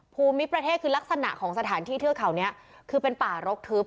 ภูมิประเทศคือลักษณะของสถานที่เทือกเขานี้คือเป็นป่ารกทึบ